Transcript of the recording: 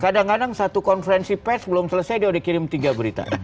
kadang kadang satu konferensi pers belum selesai dia udah kirim tiga berita